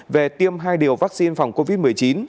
về tiêm hai liều vaccine phòng covid một mươi chín